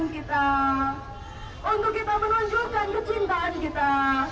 untuk kita menunjukkan kecintaan kita